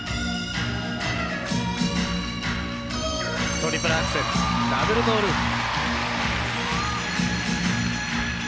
トリプルアクセルダブルトウループ。